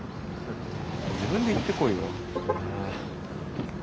自分で行ってこいよ。